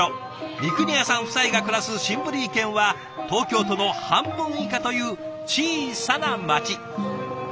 三国谷さん夫妻が暮らすシンブリー県は東京都の半分以下という小さな街。